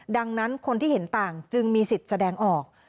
ดังนั้นคนที่เห็นต่างจึงมีสิทธิ์แสดงออก